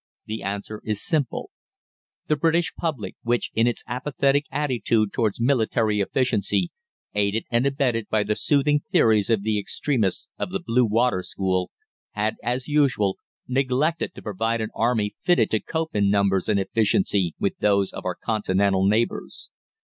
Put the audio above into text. The answer is simple. The British public, which, in its apathetic attitude towards military efficiency, aided and abetted by the soothing theories of the extremists of the 'Blue Water' school, had, as usual, neglected to provide an Army fitted to cope in numbers and efficiency with those of our Continental neighbours.